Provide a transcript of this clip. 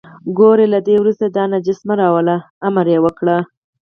ګورئ له دې وروسته دا نجس مه راولئ، امر یې وکړ.